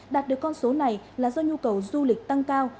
đạt được con số này là do nhu cầu du lịch tăng cao